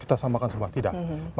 kita akan menggunakan semua narkoba